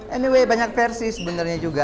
anyway banyak versi sebenarnya juga